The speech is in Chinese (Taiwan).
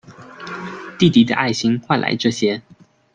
弟弟的愛心換來這些